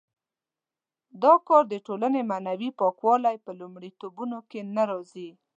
دا کار د ټولنې معنوي پاکولو په لومړیتوبونو کې نه راځي.